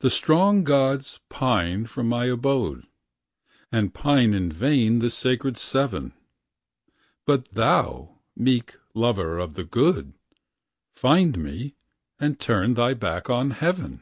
The strong gods pine for my abode, And pine in vain the sacred Seven; But thou, meek lover of the good! Find me, and turn thy back on heaven.